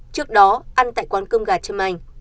trước đó ăn tại quán cơm gà trâm anh